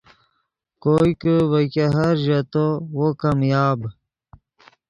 کوئے کہ ڤے ګہر ژیتو وو کامیاب